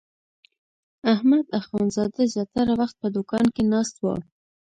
احمد اخوندزاده زیاتره وخت په دوکان کې ناست و.